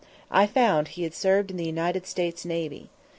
I found he had served in the United States navy.